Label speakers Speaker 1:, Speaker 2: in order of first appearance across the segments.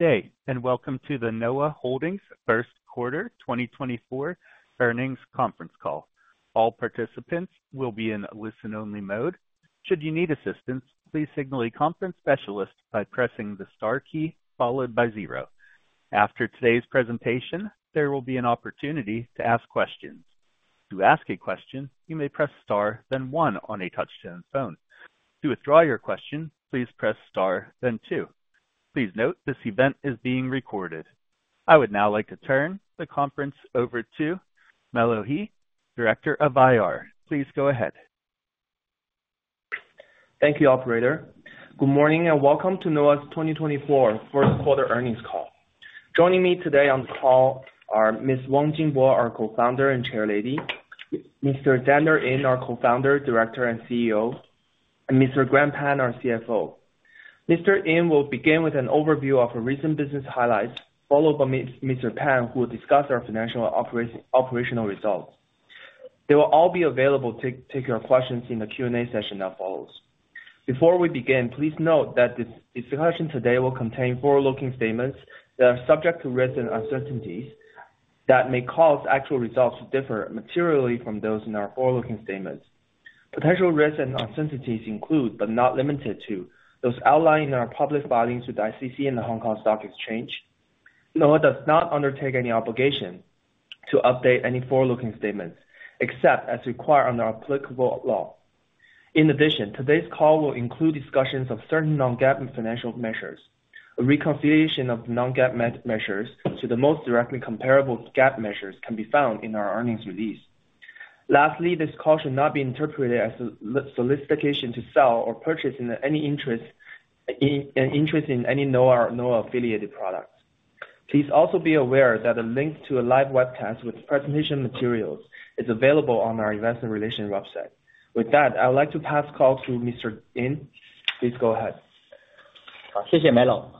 Speaker 1: Good day, and welcome to the Noah Holdings Q1 2024 Earnings Conference Call. All participants will be in listen-only mode. Should you need assistance, please signal a conference specialist by pressing the star key followed by zero. After today's presentation, there will be an opportunity to ask questions. To ask a question, you may press star, then one on a touch-tone phone. To withdraw your question, please press star, then two. Please note, this event is being recorded. I would now like to turn the conference over to Melo Xi, Director of IR. Please go ahead.
Speaker 2: Thank you, operator. Good morning, and welcome to Noah's 2024 Q1 earnings call. Joining me today on the call are Ms. Wang Jingbo, our co-founder and chairlady, Mr. Daniel Yin, our co-founder, director, and CEO, and Mr. Grant Pan, our CFO. Mr. Yin will begin with an overview of our recent business highlights, followed by Mr. Pan, who will discuss our financial operational results. They will all be available to take your questions in the Q&A session that follows. Before we begin, please note that this discussion today will contain forward-looking statements that are subject to risks and uncertainties that may cause actual results to differ materially from those in our forward-looking statements. Potential risks and uncertainties include, but not limited to, those outlined in our public filings with the SEC and the Hong Kong Stock Exchange. Noah does not undertake any obligation to update any forward-looking statements, except as required under applicable law. In addition, today's call will include discussions of certain non-GAAP financial measures. A reconciliation of the non-GAAP measures to the most directly comparable GAAP measures can be found in our earnings release. Lastly, this call should not be interpreted as a solicitation to sell or purchase in any interest, in, an interest in any Noah, Noah affiliated products. Please also be aware that a link to a live webcast with presentation materials is available on our investor relations website. With that, I would like to pass the call to Mr. Yin. Please go ahead.
Speaker 3: Thank you, Melo.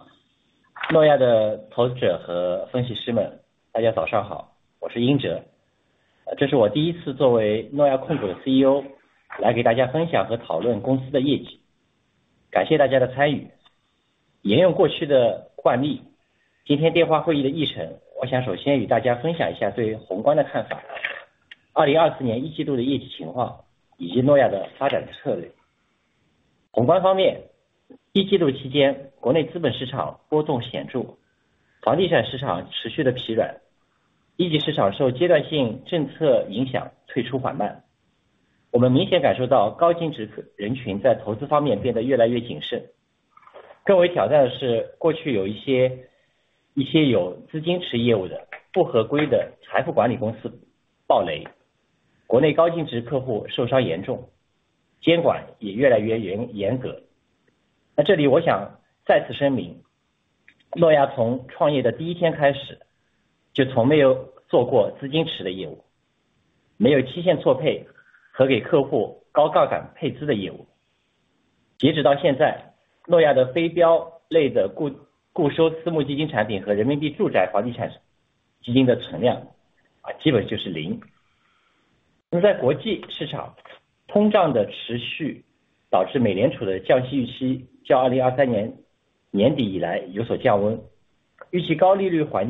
Speaker 3: Good morning, Noah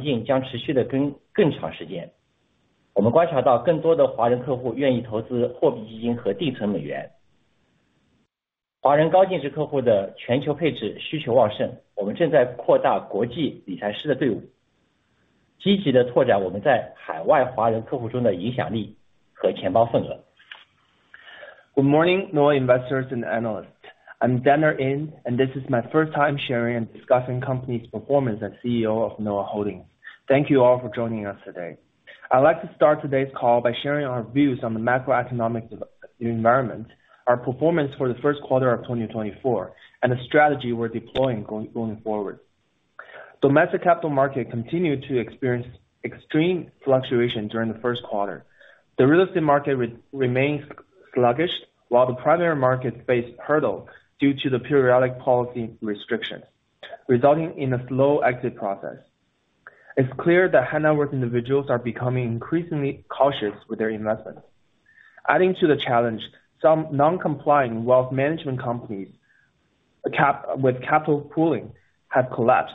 Speaker 3: investors and analysts. I'm Daniel Yin, and this is my first time sharing and discussing company's performance as CEO of Noah Holdings. Thank you all for joining us today. I'd like to start today's call by sharing our views on the macroeconomic environment, our performance for the Q1 of 2024, and the strategy we're deploying going forward. Domestic capital market continued to experience extreme fluctuation during the Q1. The real estate market remains sluggish, while the primary markets face hurdles due to the periodic policy restrictions, resulting in a slow exit process. It's clear that high-net-worth individuals are becoming increasingly cautious with their investments. Adding to the challenge, some non-compliant wealth management companies with capital pooling have collapsed,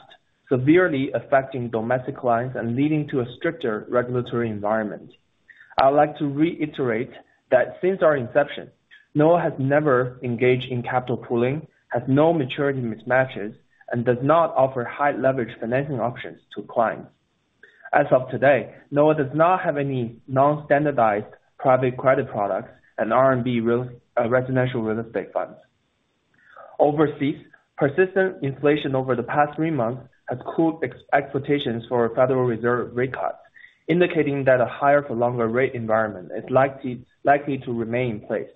Speaker 3: severely affecting domestic clients and leading to a stricter regulatory environment. I would like to reiterate that since our inception, Noah has never engaged in capital pooling, has no maturity mismatches, and does not offer high-leverage financing options to clients. As of today, Noah does not have any non-standardized private credit products and RMB real residential real estate funds. Overseas, persistent inflation over the past three months has cooled expectations for a Federal Reserve rate cut, indicating that a higher for longer rate environment is likely to remain in place.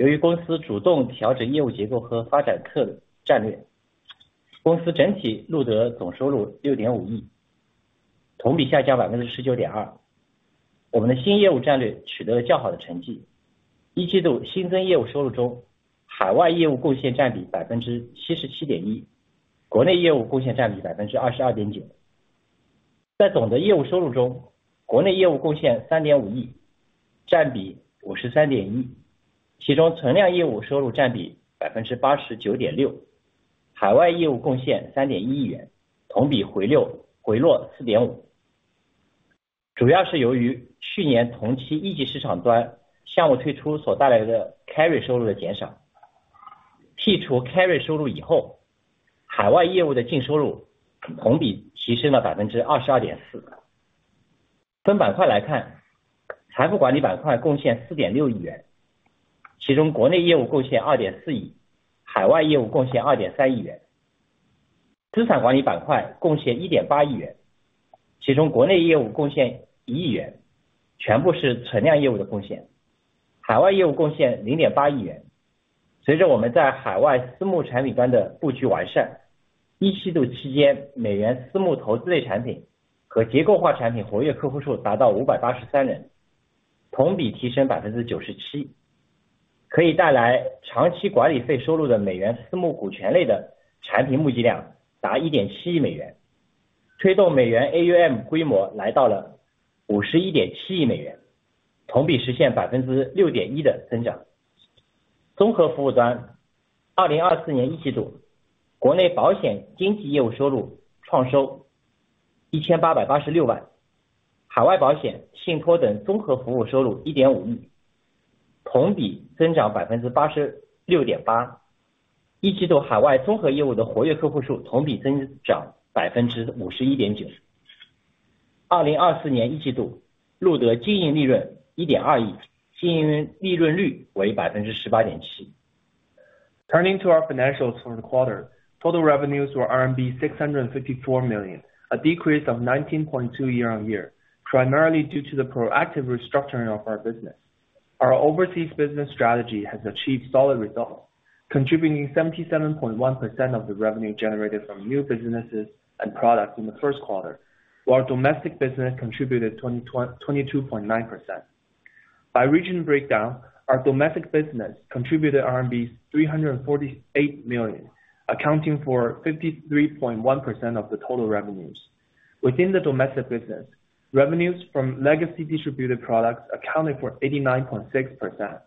Speaker 3: overseas private placement product end improving, during the Q1, the number of active customers for USD private investment products and structured products reached 583, up 97% year-over-year. The fundraising for USD private equity products that can bring long-term management fee revenue reached $170 million, pushing USD AUM scale to $5.17 billion, achieving 6.1% growth year-over-year. On the comprehensive services end, in the Q1 of 2024, domestic insurance brokerage business revenue achieved RMB 18.86 million, overseas insurance, trust and other comprehensive services revenue RMB 150 million, up 86.8% year-over-year. Q1 overseas comprehensive business active customer number increased 51.9% year-over-year. In the Q1 of 2024 recorded operating profit RMB 120 million, operating profit margin was 18.7%. Turning to our financials for the quarter. Total revenues were RMB 654 million, a decrease of 19.2% year-on-year, primarily due to the proactive restructuring of our business. Our overseas business strategy has achieved solid results, contributing 77.1% of the revenue generated from new businesses and products in the Q1, while domestic business contributed 22.9%. By regional breakdown, our domestic business contributed RMB 348 million, accounting for 53.1% of the total revenues. Within the domestic business, revenues from legacy distributed products accounted for 89.6%.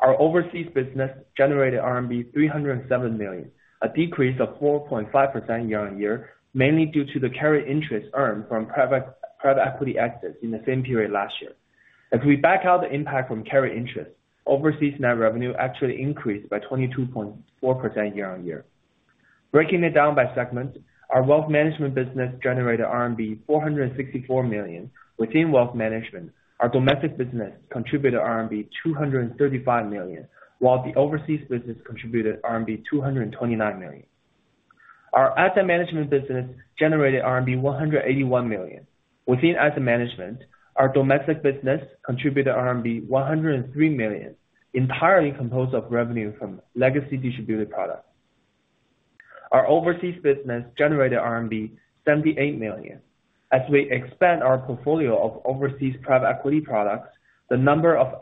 Speaker 3: Our overseas business generated RMB 307 million, a decrease of 4.5% year-on-year, mainly due to the carry interest earned from private equity exits in the same period last year. If we back out the impact from carry interest, overseas net revenue actually increased by 22.4% year-on-year. Breaking it down by segment, our wealth management business generated RMB 464 million. Within wealth management, our domestic business contributed RMB 235 million, while the overseas business contributed RMB 229 million. Our asset management business generated RMB 181 million. Within asset management, our domestic business contributed RMB 103 million, entirely composed of revenue from legacy distributed products. Our overseas business generated RMB 78 million. As we expand our portfolio of overseas private equity products, the number of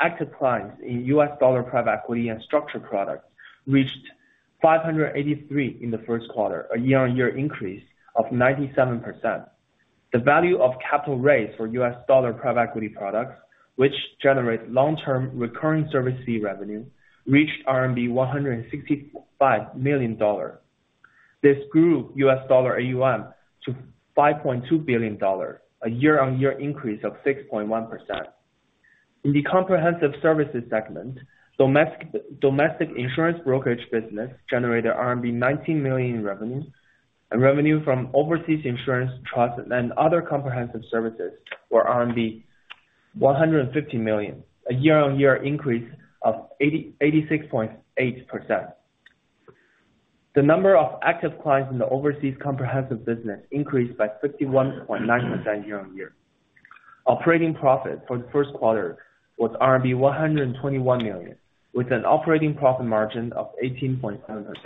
Speaker 3: active clients in US dollar private equity and structured products reached 583 in the Q1, a year-on-year increase of 97%. The value of capital raised for US dollar private equity products, which generates long term recurring service fee revenue, reached RMB 165 million. This grew US dollar AUM to $5.2 billion, a year-on-year increase of 6.1%. In the comprehensive services segment, domestic insurance brokerage business generated RMB 19 million in revenue, and revenue from overseas insurance, trust and other comprehensive services were 150 million, a year-on-year increase of 86.8%. The number of active clients in the overseas comprehensive business increased by 51.9% year-on-year. Operating profit for the Q1 was RMB 121 million, with an operating profit margin of 18.7%.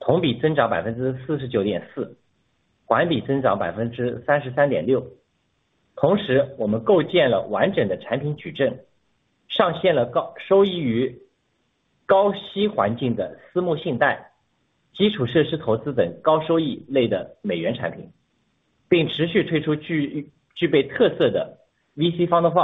Speaker 4: million，同比增长49.4%，环比增长33.6%。同时，我们构建了完整的产 品矩阵，上线了高收益于高息环境的私募信贷、基础设施投资等高收益类的美元产品，并持续推出具备特色的VC Fund of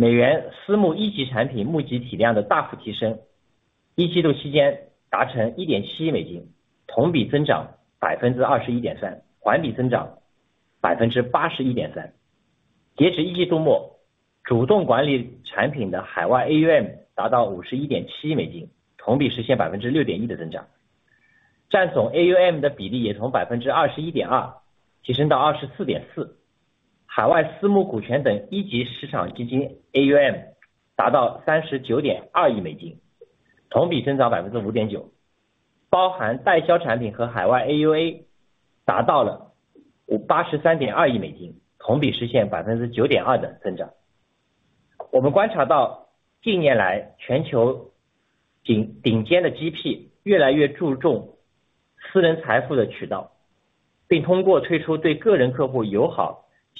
Speaker 4: Funds和美国地产基金四期等主动管理产品。美元私募一级产品募集体量的大幅提升，一季度期间达成$170 million，同比增长21.3%，环比增长81.3%。截止一季度末，主动管理产品的海外AUM达到$5.17 billion，同比实现6.1%的增长，占总AUM的比例也从21.2%提升到24.4%。海外私募股权等一级市场基金AUM达到$3.92 billion，同比增长5.9%，包含代销产品和海外AUA达到了$8.32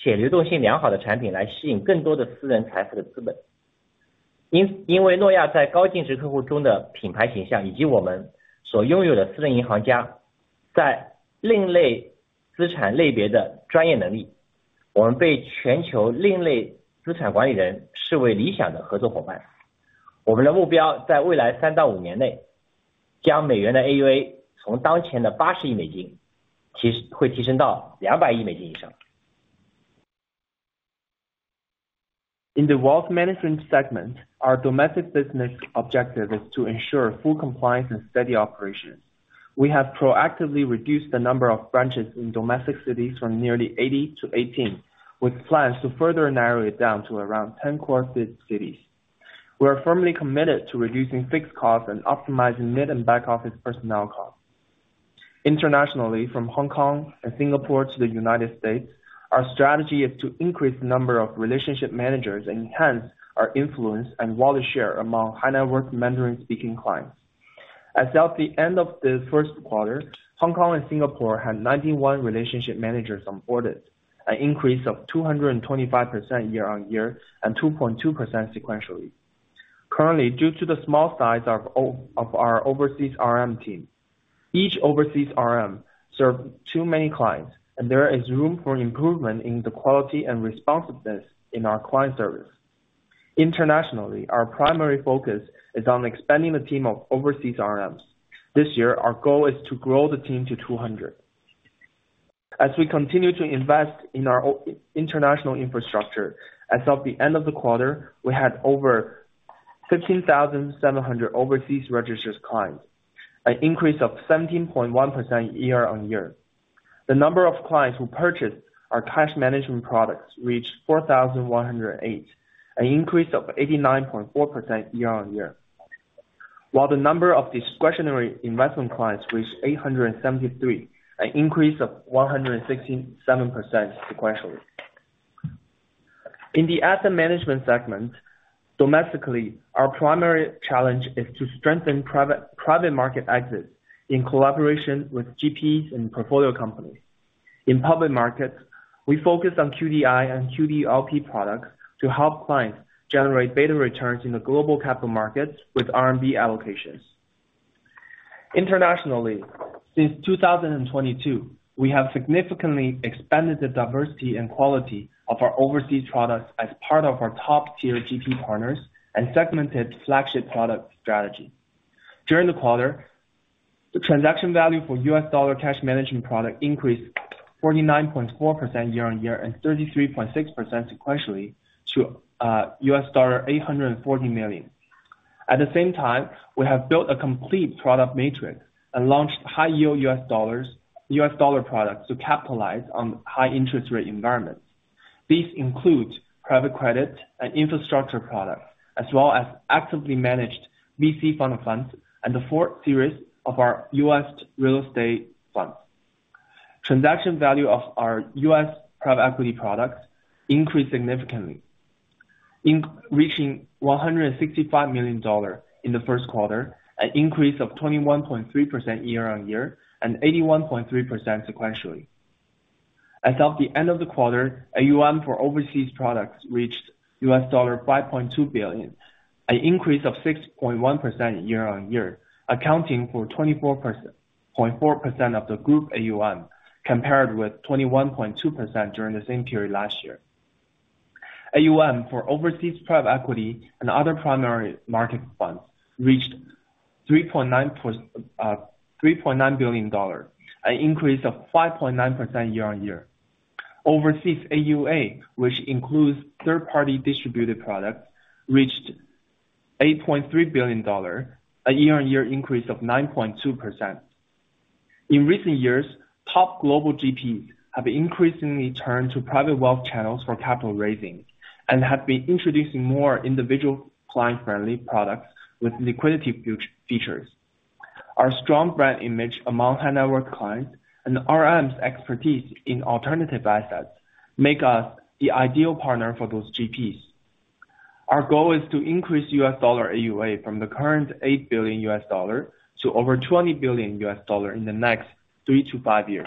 Speaker 4: billion，同比实现9.2%的增长。我们观察到，近年来，全球顶尖的GP越来越注重私人财富的渠道，并通过推出对个人客户友好且流动性良好的产品，来吸引更多的私人财富的资本。因为诺亚在高净值客户中的品牌形象，以及我们所拥有的私人银行家，在另类资产类别的专业能力，我们被全球另类资产管理者视为理想的合作伙伴。我们的目标在未来三到五年内，将美元的AUA从当前的$8 billion，提升，会提升到$20 billion以上。
Speaker 2: In the wealth management segment, our domestic business objective is to ensure full compliance and steady operation. We have proactively reduced the number of branches in domestic cities from nearly 80 to 18, with plans to further narrow it down to around 10 core cities. We are firmly committed to reducing fixed costs and optimizing mid and back office personnel costs. Internationally, from Hong Kong and Singapore to the United States, our strategy is to increase the number of relationship managers and enhance our influence and wallet share among high net worth Mandarin speaking clients. As of the end of the Q1, Hong Kong and Singapore had 91 relationship managers on board, an increase of 225% year-on-year and 2.2% sequentially. Currently, due to the small size of our overseas RM team, each overseas RM served too many clients, and there is room for improvement in the quality and responsiveness in our client service. Internationally, our primary focus is on expanding the team of overseas RMs. This year, our goal is to grow the team to 200. As we continue to invest in our international infrastructure, as of the end of the quarter, we had over 15,700 overseas registered clients, an increase of 17.1% year-on-year. The number of clients who purchased our cash management products reached 4,108, an increase of 89.4% year-on-year, while the number of discretionary investment clients reached 873, an increase of 167% sequentially. In the asset management segment, domestically, our primary challenge is to strengthen private market access in collaboration with GPs and portfolio companies. In public markets, we focus on QDII and QDLP products to help clients generate better returns in the global capital markets with RMB allocations. Internationally, since 2022, we have significantly expanded the diversity and quality of our overseas products as part of our top-tier GP partners and segmented flagship product strategy. During the quarter, the transaction value for US dollar cash management product increased 49.4% year-on-year, and 33.6% sequentially to $840 million. At the same time, we have built a complete product matrix and launched high-yield US dollar products to capitalize on high interest rate environments.... These includes private credit and infrastructure products, as well as actively managed VC fund-of-funds and the fourth series of our U.S. real estate fund. Transaction value of our U.S. private equity products increased significantly, reaching $165 million in the Q1, an increase of 21.3% year-on-year, and 81.3% sequentially. As of the end of the quarter, AUM for overseas products reached $5.2 billion, an increase of 6.1% year-on-year, accounting for 24.4% of the group AUM, compared with 21.2% during the same period last year. AUM for overseas private equity and other primary market funds reached $3.9 billion, an increase of 5.9% year-on-year. Overseas AUA, which includes third-party distributed products, reached $8.3 billion, a year-on-year increase of 9.2%. In recent years, top global GPs have increasingly turned to private wealth channels for capital raising and have been introducing more individual client-friendly products with liquidity future features. Our strong brand image among high net worth clients and RM's expertise in alternative assets, make us the ideal partner for those GPs. Our goal is to increase US dollar AUA from the current $8 billion to over $20 billion in the next 3-5 years.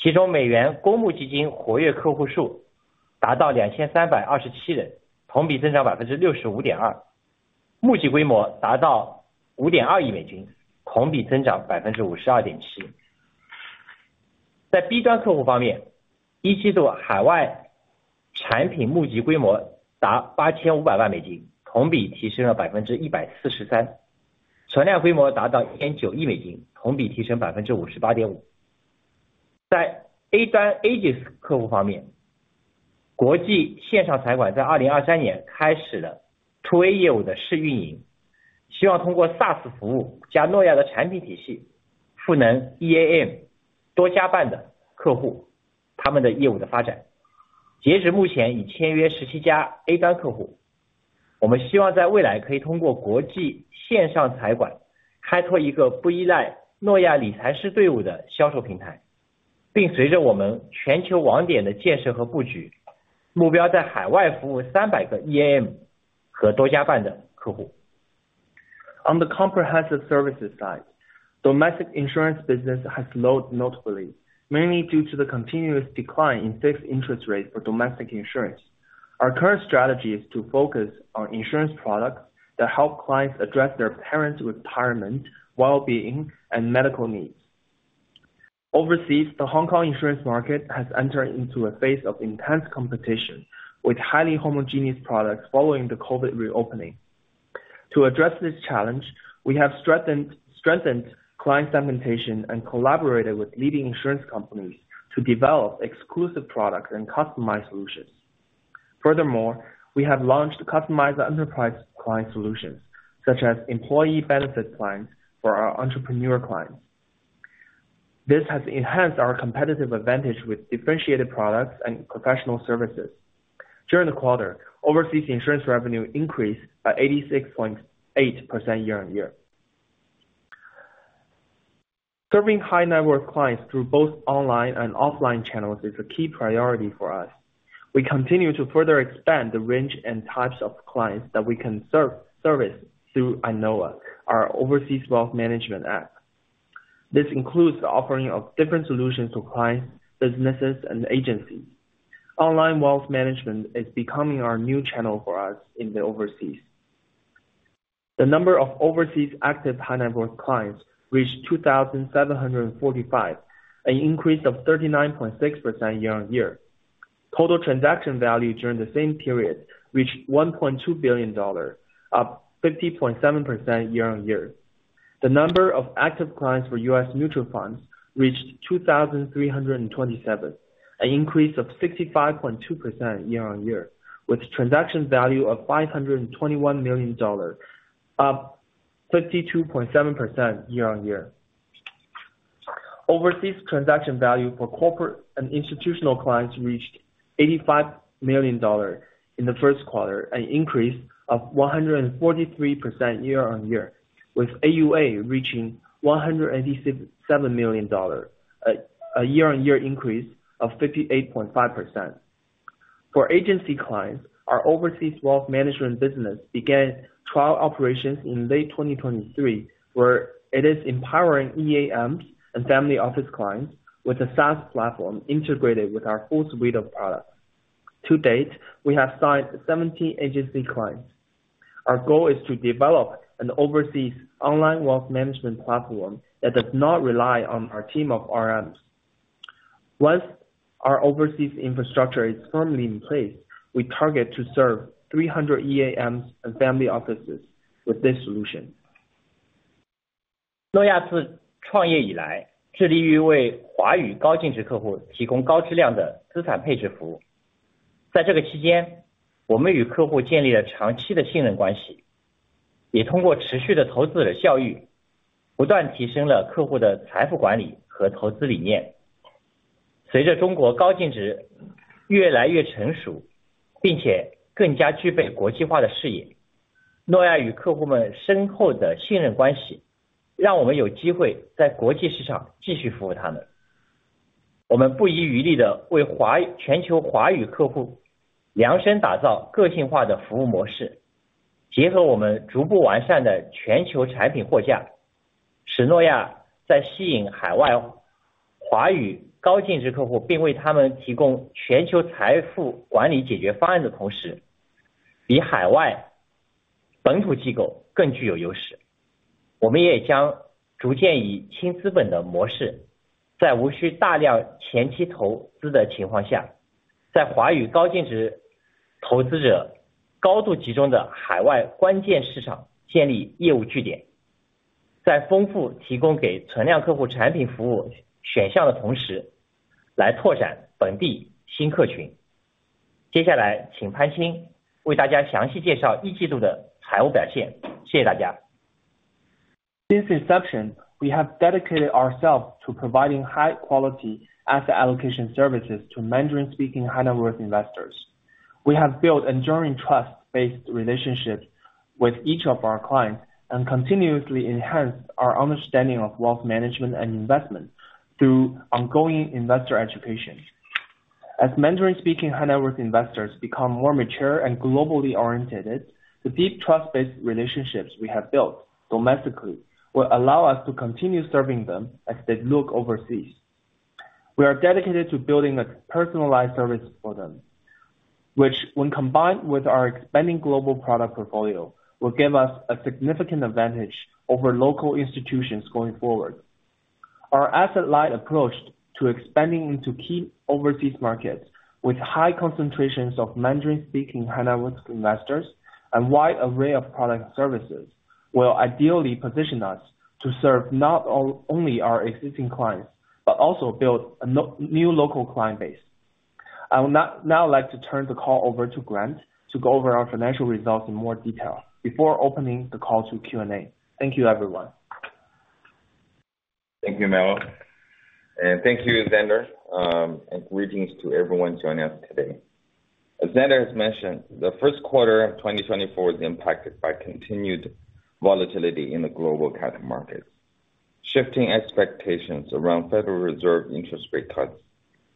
Speaker 4: billion，同比增长50.7%。其中美元公募基金活跃客户数达到2,327人，同比增长65.2%，募集规模达到$520 million，同比增长52.7%。在B端客户方面，一季度海外产品募集规模达$85 million，同比提升了143%，存量规模达到$1.9 billion，同比提升58.5%。在A端agents客户方面，国际线上财管在2023年开始了To A业务的试运营，希望通过SaaS服务，加诺亚的产品体系，赋能EAM多家办的客户他们的业务的发展。截止目前，已签约17家A端客户，我们希望在未来可以通过国际线上财管，开拓一个不依赖诺亚理财师队伍的销售平台，并随着我们全球网点的建设和布局，目标在海外服务300个EAM和多家办的客户。
Speaker 2: On the comprehensive services side, domestic insurance business has slowed notably, mainly due to the continuous decline in fixed interest rates for domestic insurance. Our current strategy is to focus on insurance products that help clients address their parents' retirement, well-being, and medical needs. Overseas, the Hong Kong insurance market has entered into a phase of intense competition, with highly homogeneous products following the COVID reopening. To address this challenge, we have strengthened client segmentation and collaborated with leading insurance companies to develop exclusive products and customized solutions. Furthermore, we have launched customized enterprise client solutions, such as employee benefit plans for our entrepreneur clients. This has enhanced our competitive advantage with differentiated products and professional services. During the quarter, overseas insurance revenue increased by 86.8% year-on-year. Serving high net worth clients through both online and offline channels is a key priority for us. We continue to further expand the range and types of clients that we can serve - service through iNoah, our overseas wealth management app. This includes the offering of different solutions to clients, businesses, and agencies. Online wealth management is becoming our new channel for us in the overseas. The number of overseas active high net worth clients reached 2,745, an increase of 39.6% year-on-year. Total transaction value during the same period reached $1.2 billion, up 50.7% year-on-year. The number of active clients for U.S. neutral funds reached 2,327, an increase of 65.2% year-on-year, with transaction value of $521 million, up 52.7% year-on-year. Overseas transaction value for corporate and institutional clients reached $85 million in the Q1, an increase of 143% year-on-year, with AUA reaching $187 million, a year-on-year increase of 58.5%. For agency clients, our overseas wealth management business began trial operations in late 2023, where it is empowering EAMs and family office clients with a SaaS platform integrated with our full suite of products. To date, we have signed 70 agency clients. Our goal is to develop an overseas online wealth management platform that does not rely on our team of RMs. Once our overseas infrastructure is firmly in place, we target to serve 300 EAMs and family offices with this solution. Since inception, we have dedicated ourselves to providing high quality asset allocation services to Mandarin-speaking high net worth investors. We have built enduring, trust-based relationships with each of our clients and continuously enhanced our understanding of wealth management and investment through ongoing investor education. As Mandarin-speaking high net worth investors become more mature and globally oriented, the deep trust-based relationships we have built domestically will allow us to continue serving them as they look overseas. We are dedicated to building a personalized service for them, which, when combined with our expanding global product portfolio, will give us a significant advantage over local institutions going forward. Our asset-light approach to expanding into key overseas markets, with high concentrations of Mandarin-speaking high net worth investors and wide array of product services, will ideally position us to serve not only our existing clients, but also build a new local client base. I would now like to turn the call over to Grant to go over our financial results in more detail before opening the call to Q&A. Thank you, everyone.
Speaker 5: Thank you, Melo, and thank you, Zhe. Greetings to everyone joining us today. As Zhe has mentioned, the Q1 of 2024 was impacted by continued volatility in the global capital market. Shifting expectations around Federal Reserve interest rate cuts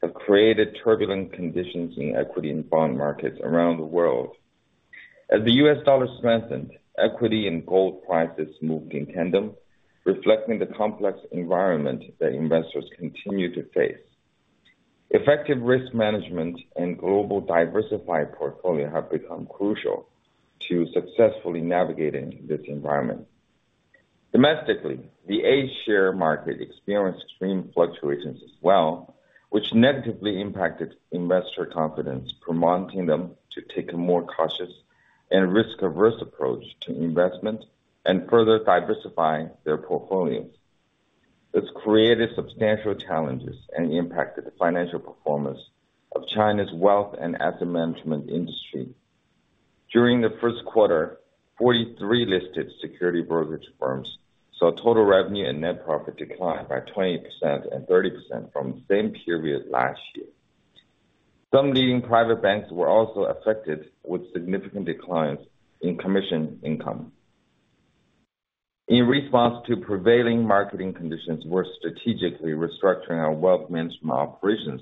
Speaker 5: have created turbulent conditions in equity and bond markets around the world. As the US dollar strengthened, equity and gold prices moved in tandem, reflecting the complex environment that investors continue to face. Effective risk management and global diversified portfolio have become crucial to successfully navigating this environment. Domestically, the A-share market experienced extreme fluctuations as well, which negatively impacted investor confidence, prompting them to take a more cautious and risk-averse approach to investment and further diversifying their portfolios. This created substantial challenges and impacted the financial performance of China's wealth and asset management industry. During the Q1, 43 listed security brokerage firms saw total revenue and net profit decline by 20% and 30% from the same period last year. Some leading private banks were also affected, with significant declines in commission income. In response to prevailing marketing conditions, we're strategically restructuring our wealth management operations,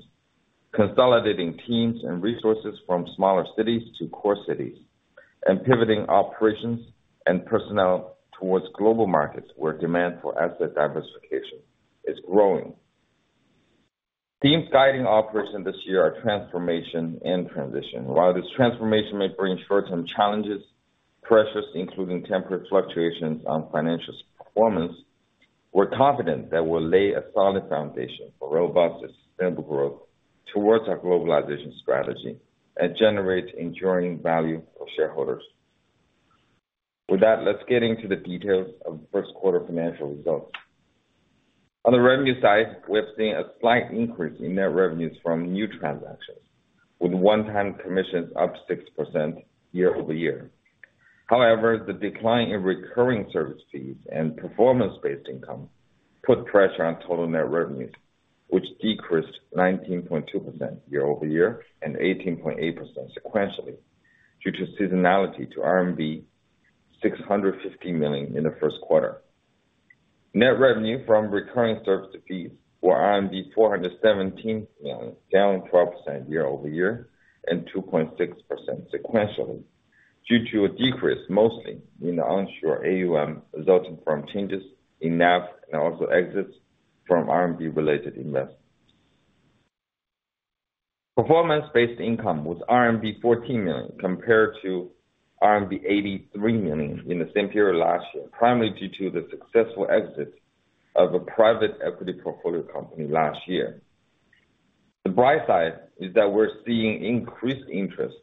Speaker 5: consolidating teams and resources from smaller cities to core cities.... and pivoting operations and personnel towards global markets where demand for asset diversification is growing. Themes guiding operations this year are transformation and transition. While this transformation may bring short-term challenges, pressures, including temporary fluctuations on financial performance, we're confident that we'll lay a solid foundation for robust and sustainable growth towards our globalization strategy and generate enduring value for shareholders. With that, let's get into the details of the Q1 financial results. On the revenue side, we have seen a slight increase in net revenues from new transactions, with one-time commissions up 6% year-over-year. However, the decline in recurring service fees and performance-based income put pressure on total net revenues, which decreased 19.2% year-over-year and 18.8% sequentially, due to seasonality to RMB 650 million in the Q1. Net revenue from recurring service fees were RMB 417 million, down 12% year-over-year and 2.6% sequentially, due to a decrease mostly in the onshore AUM, resulting from changes in NAV and also exits from RMB-related investments. Performance-based income was RMB 14 million, compared to RMB 83 million in the same period last year, primarily due to the successful exit of a private equity portfolio company last year. The bright side is that we're seeing increased interest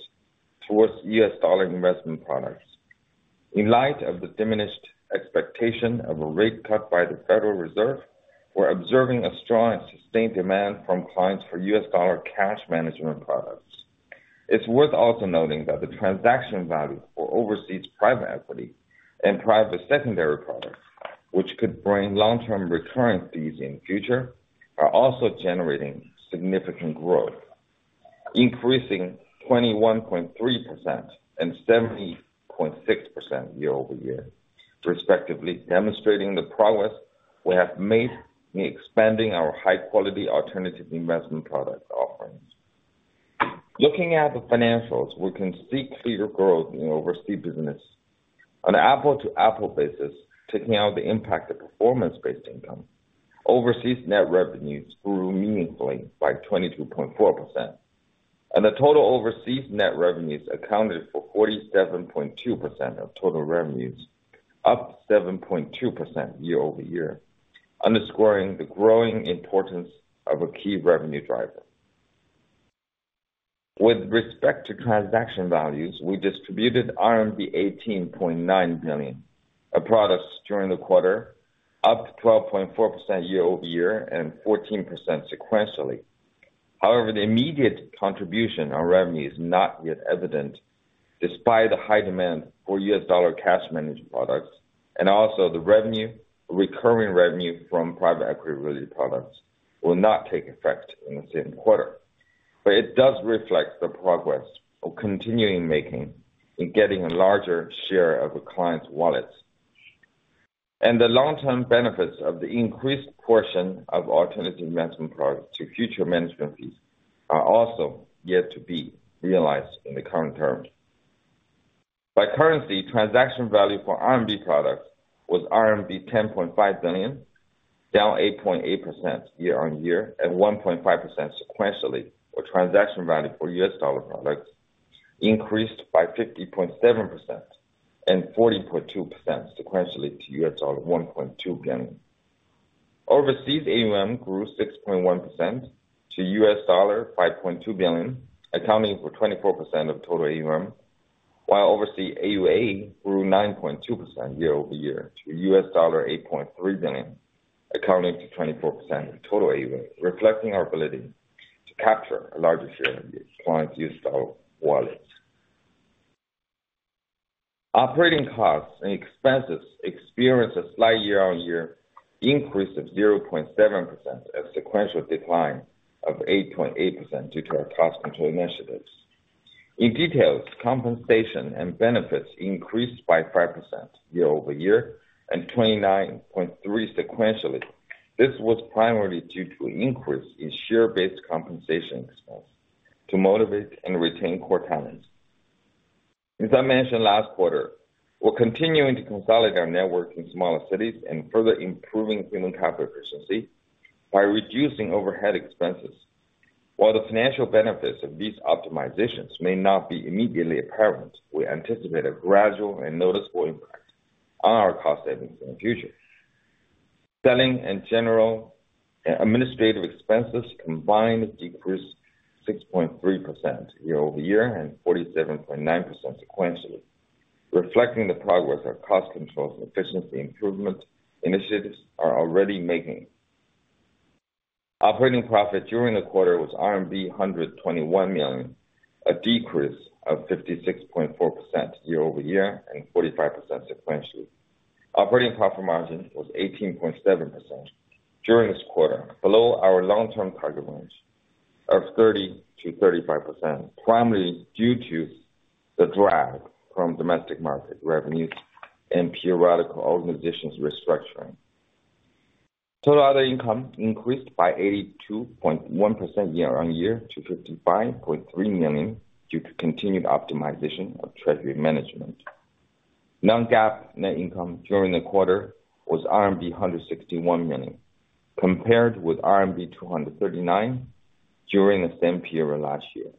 Speaker 5: towards U.S. dollar investment products. In light of the diminished expectation of a rate cut by the Federal Reserve, we're observing a strong and sustained demand from clients for U.S. dollar cash management products. It's worth also noting that the transaction value for overseas private equity and private secondary products, which could bring long-term recurring fees in the future, are also generating significant growth, increasing 21.3% and 70.6% year-over-year, respectively, demonstrating the progress we have made in expanding our high-quality alternative investment product offerings. Looking at the financials, we can see clearer growth in the overseas business. On an apples-to-apples basis, taking out the impact of performance-based income, overseas net revenues grew meaningfully by 22.4%. The total overseas net revenues accounted for 47.2% of total revenues, up 7.2% year-over-year, underscoring the growing importance of a key revenue driver. With respect to transaction values, we distributed RMB 18.9 billion of products during the quarter, up 12.4% year-over-year and 14% sequentially. However, the immediate contribution on revenue is not yet evident, despite the high demand for US dollar cash management products, and also the revenue, recurring revenue from private equity-related products will not take effect in the same quarter. It does reflect the progress we're continuing making in getting a larger share of the clients' wallets. The long-term benefits of the increased portion of alternative investment products to future management fees are also yet to be realized in the current terms. By currency, transaction value for RMB products was RMB 10.5 billion, down 8.8% year-over-year and 1.5% sequentially, while transaction value for US dollar products increased by 50.7% and 40.2% sequentially to $1.2 billion. Overseas AUM grew 6.1% to $5.2 billion, accounting for 24% of total AUM, while overseas AUA grew 9.2% year-over-year to $8.3 billion, accounting for 24% of total AUA, reflecting our ability to capture a larger share of the clients' US dollar wallet. Operating costs and expenses experienced a slight year-over-year increase of 0.7% and sequential decline of 8.8%, due to our cost control initiatives. In detail, compensation and benefits increased by 5% year-over-year and 29.3 sequentially. This was primarily due to an increase in share-based compensation expense to motivate and retain core talents. As I mentioned last quarter, we're continuing to consolidate our network in smaller cities and further improving human capital efficiency by reducing overhead expenses. While the financial benefits of these optimizations may not be immediately apparent, we anticipate a gradual and noticeable impact on our cost savings in the future. Selling and general administrative expenses combined decreased 6.3% year-over-year and 47.9% sequentially, reflecting the progress of our cost control and efficiency improvement initiatives are already making. Operating profit during the quarter was RMB 121 million, a decrease of 56.4% year-over-year and 45% sequentially. Operating profit margin was 18.7% during this quarter, below our long-term target range of 30%-35%, primarily due to the drag from domestic market revenues and periodic organizational restructuring. Total other income increased by 82.1% year-on-year, to 55.3 million, due to continued optimization of treasury management. Non-GAAP net income during the quarter was RMB 161 million, compared with RMB 239 million during the same period last year.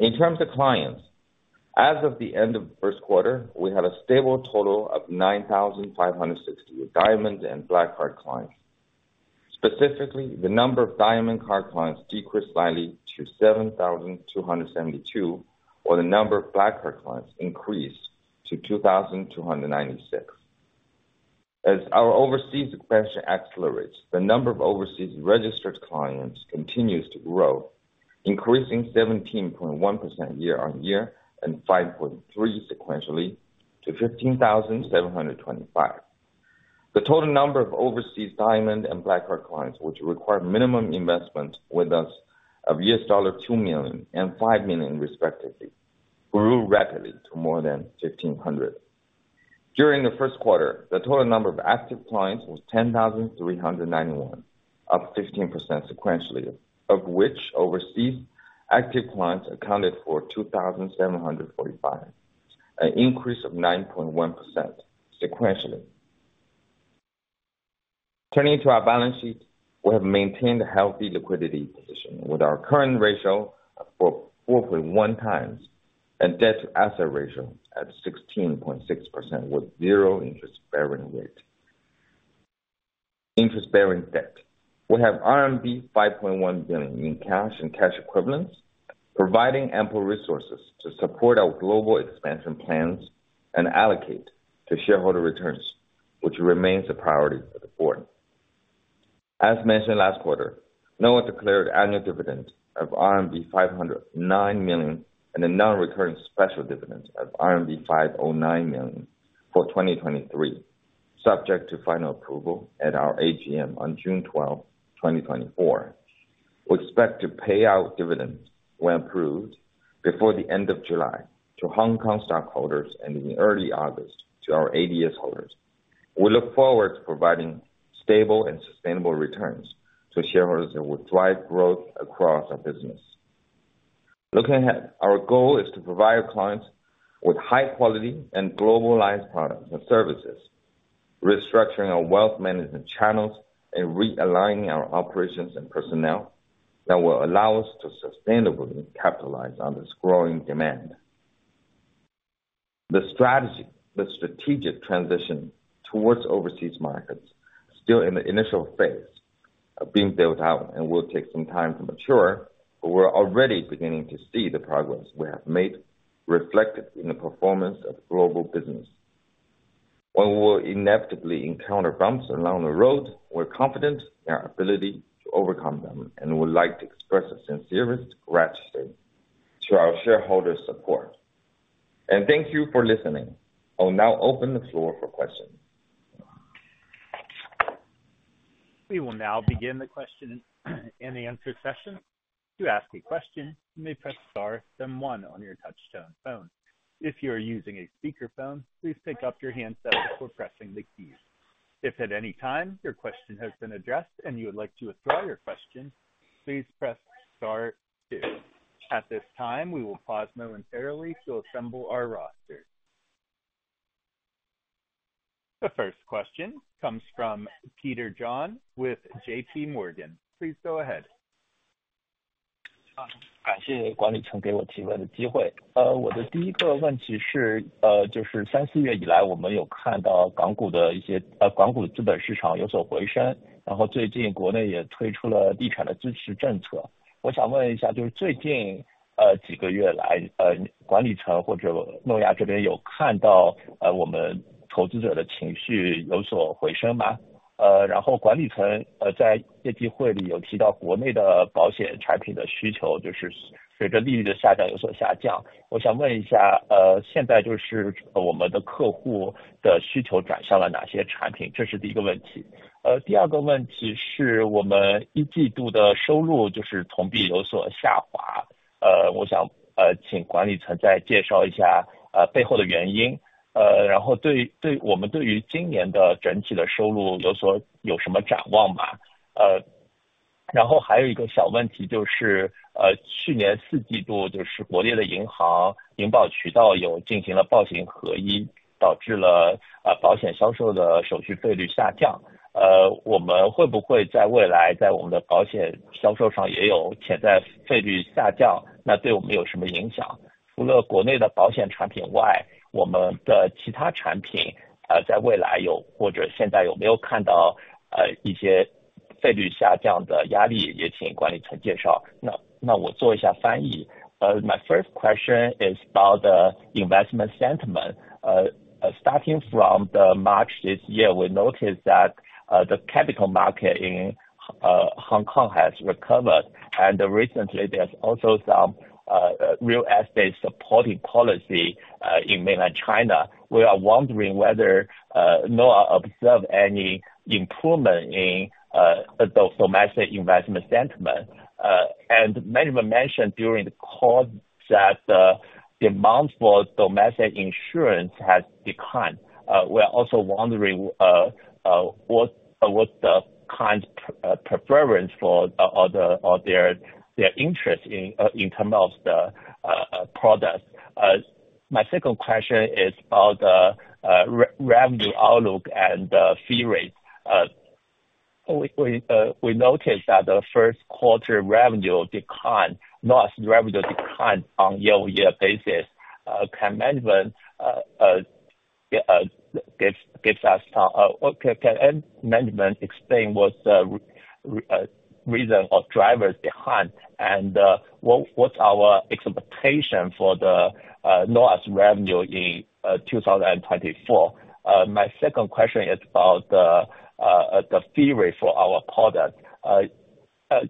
Speaker 5: In terms of clients, as of the end of the Q1, we had a stable total of 9,560 Diamond and Black Card clients. Specifically, the number of Diamond Card clients decreased slightly to 7,272, while the number of Black Card clients increased to 2,296. As our overseas expansion accelerates, the number of overseas registered clients continues to grow, increasing 17.1% year-on-year and 5.3 sequentially to 15,725. The total number of overseas Diamond and Black Card clients, which require minimum investment with us of $2 million and $5 million respectively, grew rapidly to more than 1,500. During the Q1, the total number of active clients was 10,391, up 15% sequentially, of which overseas active clients accounted for 2,745, an increase of 9.1% sequentially. Turning to our balance sheet, we have maintained a healthy liquidity position with our current ratio of 4.1 times, and debt-to-asset ratio at 16.6%, with zero interest bearing rate. Interest-bearing debt. We have RMB 5.1 billion in cash and cash equivalents, providing ample resources to support our global expansion plans and allocate to shareholder returns, which remains a priority for the board. As mentioned last quarter, Noah declared annual dividend of RMB 509 million and a non-recurring special dividend of RMB 509 million for 2023, subject to final approval at our AGM on June 12, 2024. We expect to pay out dividends when approved before the end of July to Hong Kong stockholders and in early August to our ADS holders. We look forward to providing stable and sustainable returns to shareholders that will drive growth across our business. Looking ahead, our goal is to provide our clients with high quality and globalized products and services, restructuring our wealth management channels and realigning our operations and personnel that will allow us to sustainably capitalize on this growing demand. The strategy, the strategic transition toward overseas markets are still in the initial phase of being built out and will take some time to mature, but we're already beginning to see the progress we have made reflected in the performance of global business. While we'll inevitably encounter bumps along the road, we're confident in our ability to overcome them, and would like to express our sincerest gratitude to our shareholders' support. Thank you for listening. I'll now open the floor for questions.
Speaker 1: We will now begin the question and answer session. To ask a question, you may press star then one on your touchtone phone. If you are using a speakerphone, please pick up your handset before pressing the keys. If at any time your question has been addressed and you would like to withdraw your question, please press star two. At this time, we will pause momentarily to assemble our roster. The first question comes from Peter John with J.P. Morgan. Please go ahead.
Speaker 6: My first question is about the investment sentiment. Starting from the March this year, we noticed that the capital market in Hong Kong has recovered, and recently there's also some real estate supporting policy in mainland China. We are wondering whether Noah observed any improvement in the domestic investment sentiment?... and many were mentioned during the call that the amount for domestic insurance has declined. We are also wondering what what's the current preference for or the or their their interest in in terms of the product. My second question is about the revenue outlook and fee rate. We noticed that the Q1 revenue declined, loss revenue declined on year-over-year basis. Can management give us some can management explain what's the reason of drivers behind? And what what's our expectation for the loss revenue in 2024? My second question is about the the fee rate for our product.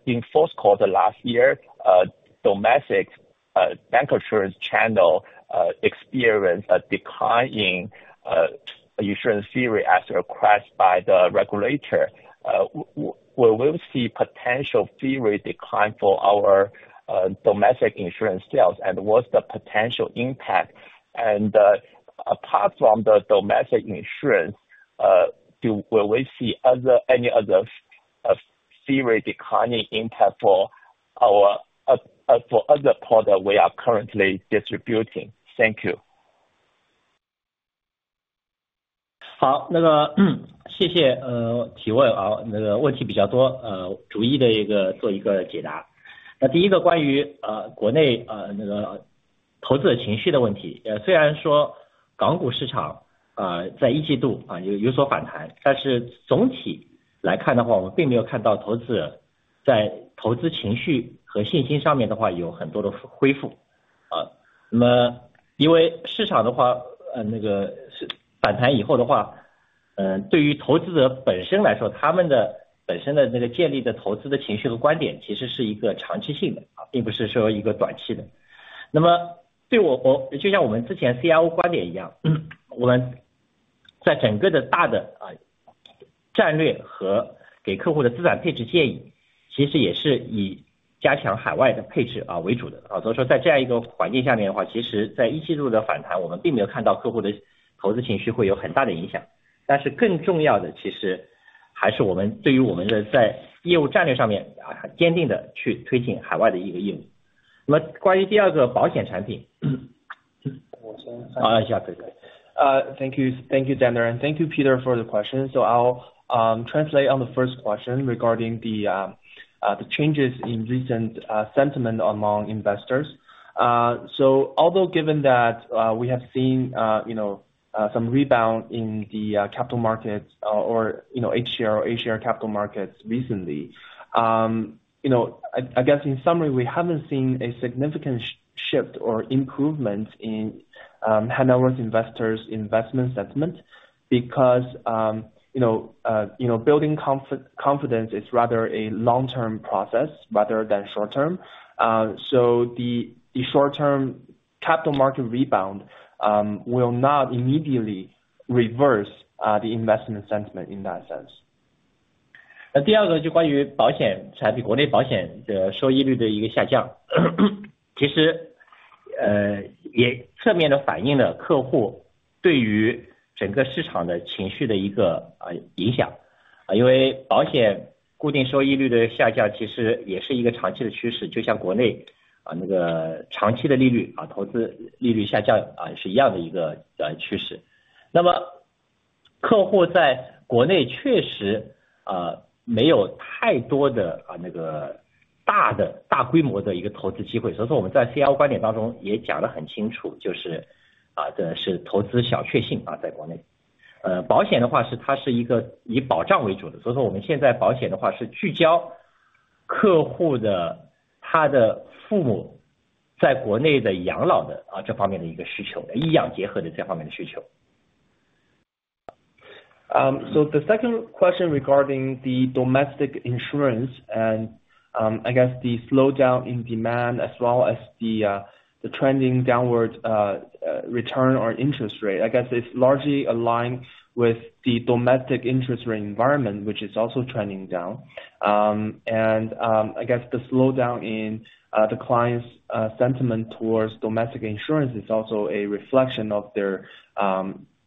Speaker 6: In Q1 last year, domestic bank insurance channel experienced a declining insurance fee rate as requested by the regulator. Will we see potential fee rate decline for our domestic insurance sales, and what's the potential impact? And apart from the domestic insurance, will we see other, any other, fee rate declining impact for other product we are currently distributing? Thank you.
Speaker 3: Thank you, Zhe, and thank you, Peter, for the question. So I'll translate on the first question regarding the changes in recent sentiment among investors. So although given that, we have seen, you know, some rebound in the capital markets or, you know, HK, A-share capital markets recently, you know, I, I guess in summary, we haven't seen a significant shift or improvement in HNW investors' investment sentiment because, you know, building confidence is rather a long-term process rather than short term. So the short term capital market rebound will not immediately reverse the investment sentiment in that sense. So the second question regarding the domestic insurance and, I guess the slowdown in demand as well as the, the trending downward return or interest rate, I guess it's largely aligned with the domestic interest rate environment, which is also trending down. And, I guess the slowdown in, the clients' sentiment towards domestic insurance is also a reflection of their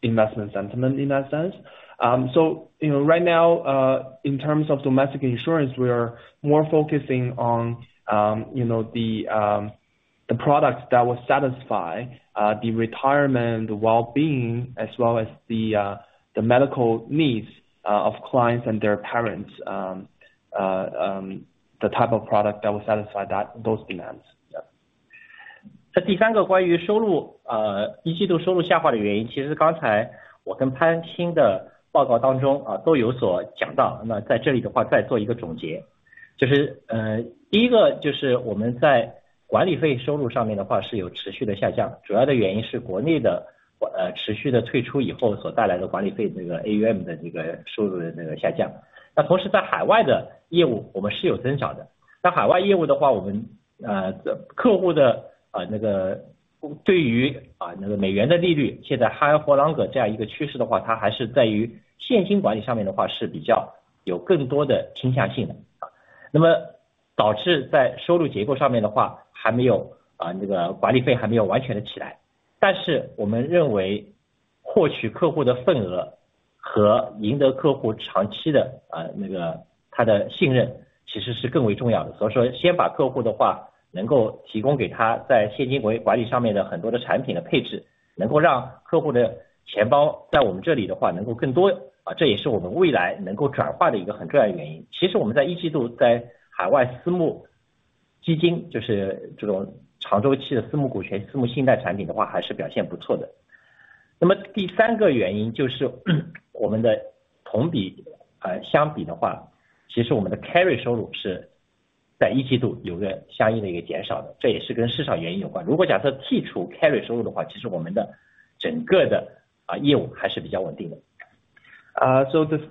Speaker 3: investment sentiment in that sense. So, you know, right now, in terms of domestic insurance, we are more focusing on, you know, the, the products that will satisfy, the retirement well-being, as well as the, the medical needs, of clients and their parents, the type of product that will satisfy that, those demands.
Speaker 4: 那第三个关于收入，一季度收入下滑的原因，其实刚才我跟潘青的报告当中，都有所讲到，那在这里的话再做一个总结。就是，第一个就是我们在管理费收入上面的话是有持续的下降，主要的原因是国内的，持续的退出以后所带来的管理费，这个AUM的这个收入的这个下降。那同时在海外的业务我们是有增长的，那海外业务的话，我们，客户的，那个对于，那个美元的利率，现在higher for longer这样的一个趋势的话，它还是在于现金管理上面的 话是比较有更多的倾向性的。...
Speaker 3: So the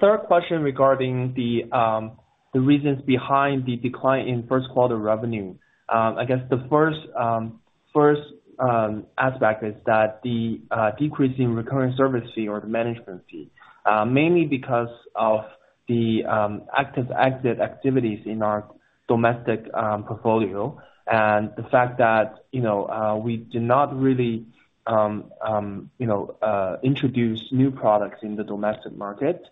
Speaker 3: third question regarding the reasons behind the decline in Q1 revenue. I guess the first aspect is that the decreasing recurring service fee or the management fee mainly because of the active exit activities in our domestic portfolio, and the fact that, you know, we do not really, you know, introduce new products in the domestic market,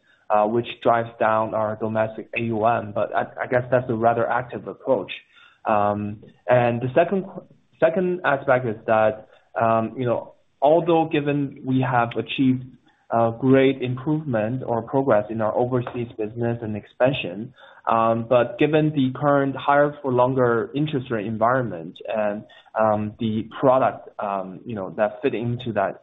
Speaker 3: which drives down our domestic AUM, but I guess that's a rather active approach. And the second, second aspect is that, you know, although given we have achieved a great improvement or progress in our overseas business and expansion, but given the current higher for longer interest rate environment and, the product, you know, that fit into that,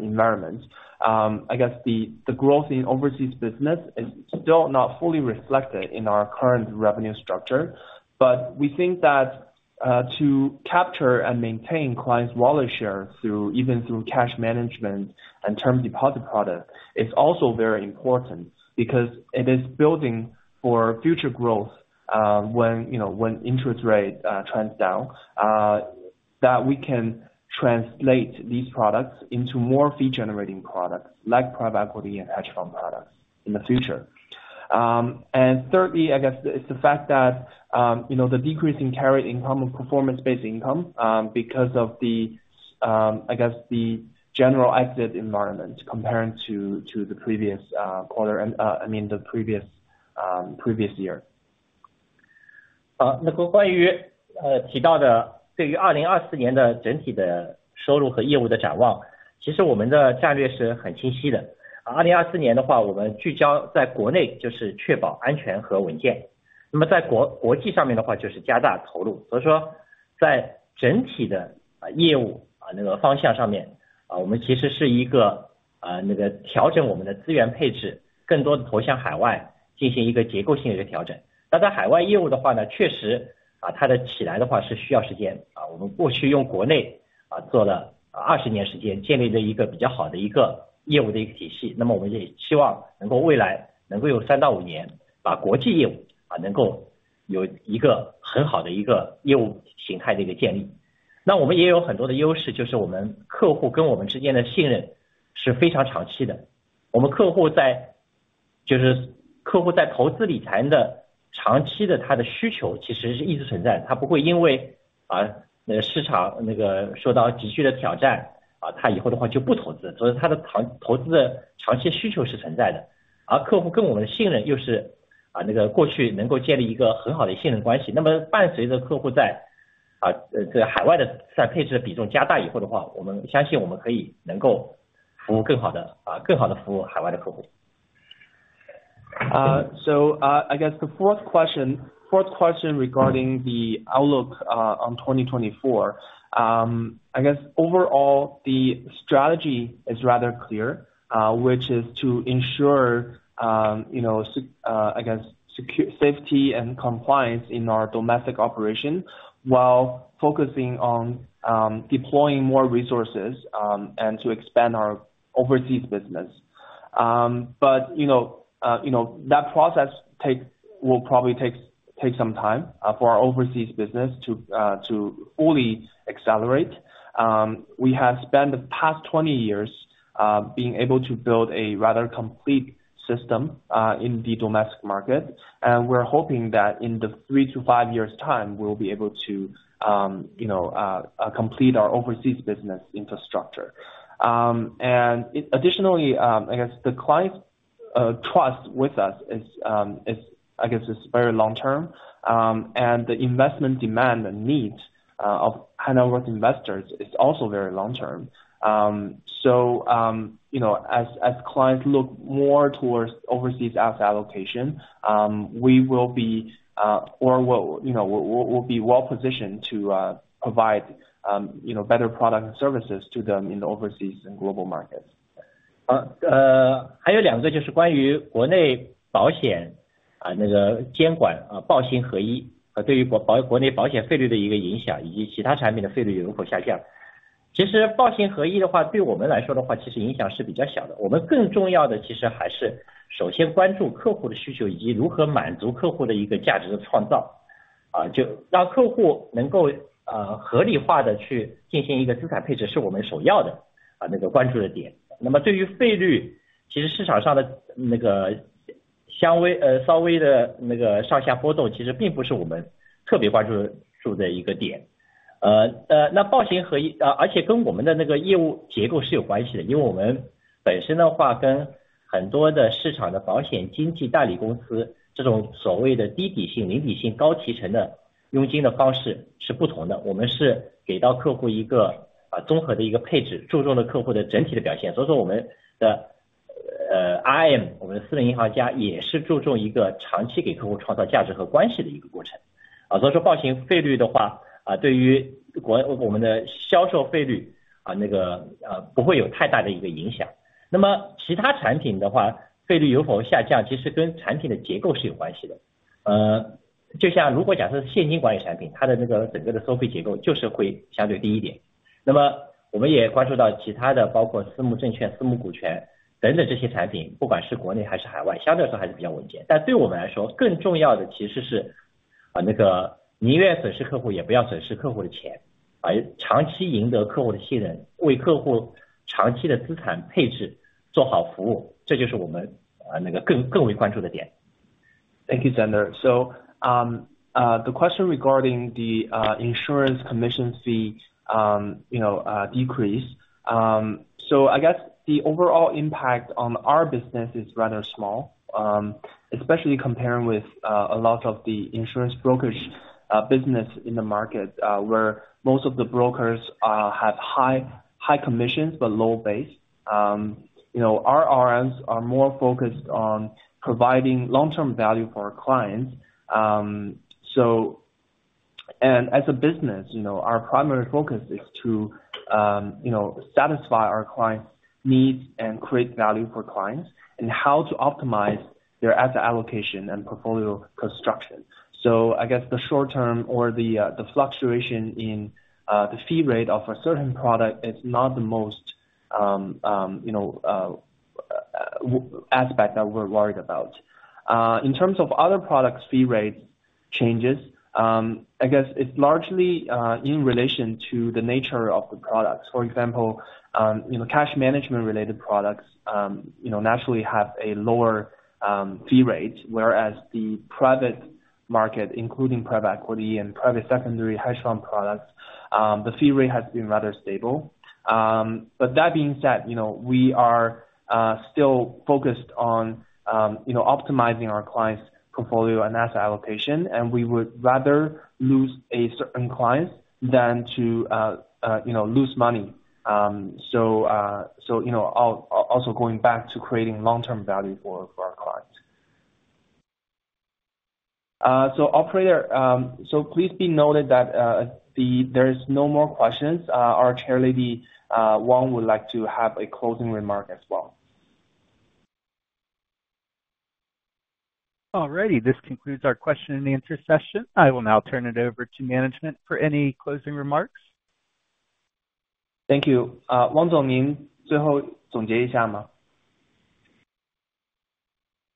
Speaker 3: environment, I guess the, the growth in overseas business is still not fully reflected in our current revenue structure. But we think that, to capture and maintain clients' wallet share through even through cash management and term deposit products, is also very important, because it is building for future growth, when, you know, when interest rate, trends down, that we can translate these products into more fee-generating products, like private equity and hedge fund products in the future. And thirdly, I guess it's the fact that, you know, the decrease in carry income and performance-based income, because of the general exit environment comparing to the previous, I mean the previous year. So, I guess the fourth question regarding the outlook on 2024. I guess overall, the strategy is rather clear, which is to ensure, you know, security, safety and compliance in our domestic operation, while focusing on, deploying more resources, and to expand our overseas business. But, you know, you know, that process will probably take some time, for our overseas business to fully accelerate. We have spent the past 20 years, being able to build a rather complete system, in the domestic market, and we're hoping that in the 3-5 years' time, we'll be able to, you know, complete our overseas business infrastructure. And it additionally, I guess the client, trust with us is, I guess it's very long term, and the investment demand and needs, of high net worth investors is also very long term. So, you know, as clients look more towards overseas asset allocation, we will be well positioned to provide, you know, better products and services to them in the overseas and global markets.
Speaker 4: 就让客户能够，合理化地去进行一个资产配置，是我们首要的关注的点。对于费率，其实市场上的那个稍微，稍微的那个上下波动，其实并不是我们特别关注的一个点。那报行和，跟我们的那个业务结构是有关系的，因为我们本身的话，跟很多的市场的保险经纪代理公司，这种所谓的低底线、零底线、高提成的佣金的方式是不同的，我们是给到客户一个综合的一个配置，注重了客户的整体的表现，所以说我们的，IM，我们的私人银行家，也是注重一个长期给客户创造价值和关系的一个过程。报行费率的话，对于国，我们的销售费率，不会有太大的一个影响。其他产品的话，费率有否下降，其实跟产品的结构是有关系的。就像如果假设现金管理产品，它的那个整个的收费结构就是会相对低一点。我们也关注到其他的，包括私募证券、私募股权等等这些产品，不管是国内还是海外，相对来说还是比较稳定。但对我们来说，更重要的其实是，宁愿损失客户，也不要损失客户的钱，而长期赢得客户的信任，为客户长期的资产配置做好服务，这就是我们更为关注的点。
Speaker 3: Thank you Zhe. The question regarding the insurance commission fee decrease, I guess the overall impact on our business is rather small, especially comparing with a lot of the insurance brokerage business in the market, where most of the brokers have high commissions but low base. Our RMs are more focused on providing long term value for our clients. As a business, our primary focus is to satisfy our clients' needs and create value for clients, and how to optimize their asset allocation and portfolio construction. I guess the short term or the fluctuation in the fee rate of a certain product is not the most, you know, aspect that we're worried about. In terms of other products fee rate changes, I guess it's largely in relation to the nature of the products. For example, cash management related products naturally have a lower fee rate, whereas the private market, including private equity and private secondary hedge fund products, the fee rate has been rather stable. That being said, we are still focused on optimizing our clients' portfolio and asset allocation, and we would rather lose a certain client than to lose money. Also going back to creating long term value for our clients. Operator, please be noted that there is no more questions, our Chairlady Wang would like to have a closing remark as well.
Speaker 1: this concludes our question and answer session. I will now turn it over to management for any closing remarks.
Speaker 7: Thank you.
Speaker 4: 王总，您最后总结一下嘛？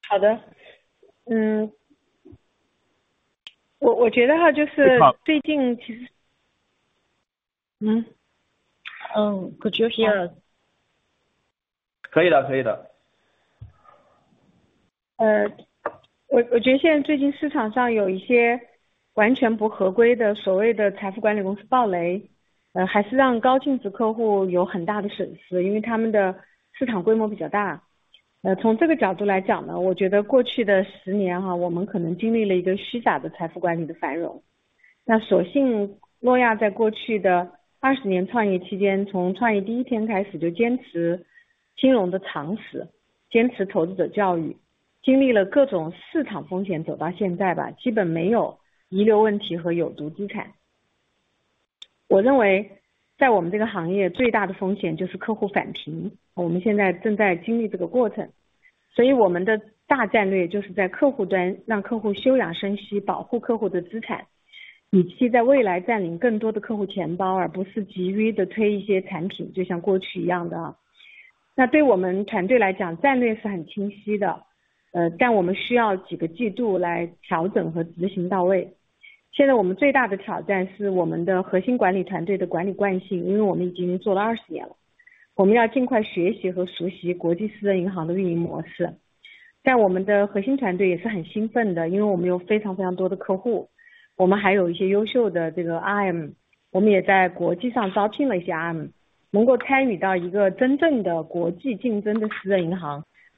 Speaker 4: 好的，我觉得哈，就是好。最近其实？
Speaker 8: Oh, could you hear?
Speaker 4: 可以的，可以的。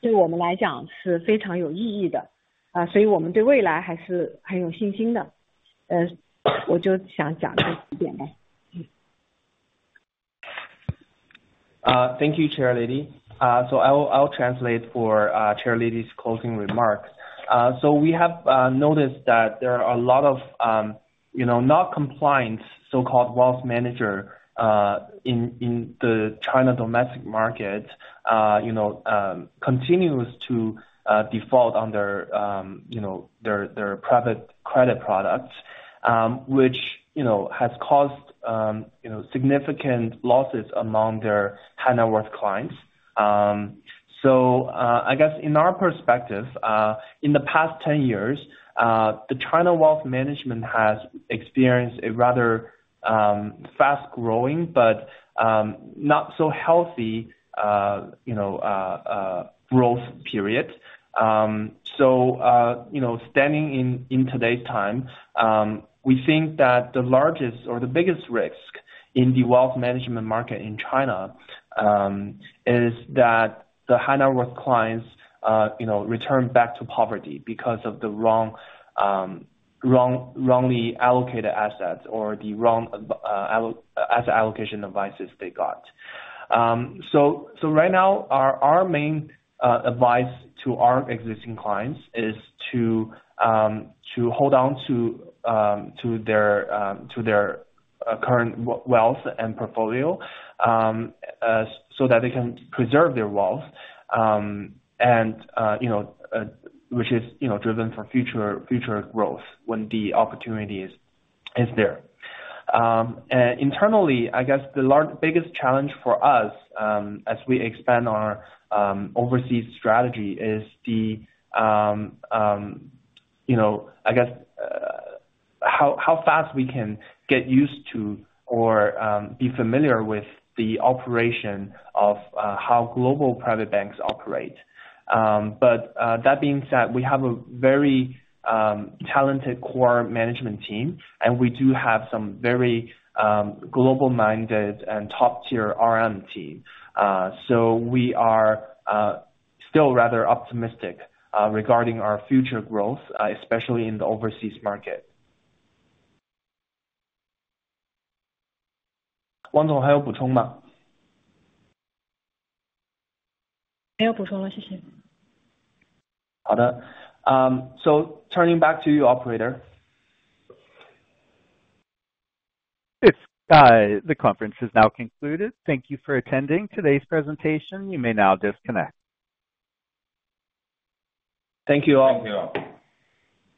Speaker 7: Thank you, Chairlady. So I'll translate for Chairlady's closing remarks. So we have noticed that there are a lot of, you know, not compliant so-called wealth managers in the China domestic market, you know, continues to default on their, you know, their private credit products, which, you know, has caused, you know, significant losses among their high net worth clients. So, I guess in our perspective, in the past 10 years, the China wealth management has experienced a rather fast growing, but not so healthy, you know, growth period. So, you know, standing in today's time, we think that the largest or the biggest risk in the wealth management market in China, is that the high net worth clients, you know, return back to poverty because of the wrong, wrongly allocated assets or the wrong, asset allocation advices they got. So, right now, our main advice to our existing clients is to hold on to their current wealth and portfolio, so that they can preserve their wealth, and, you know, which is, you know, driven for future growth when the opportunity is there. Internally, I guess the biggest challenge for us, as we expand our overseas strategy, is, you know, I guess, how fast we can get used to or be familiar with the operation of how global private banks operate. But that being said, we have a very talented core management team, and we do have some very global-minded and top-tier RM team. So we are still rather optimistic regarding our future growth, especially in the overseas market. Wang Dong,
Speaker 2: Turning back to you, operator.
Speaker 1: The conference is now concluded. Thank you for attending today's presentation. You may now disconnect.
Speaker 2: Thank you all.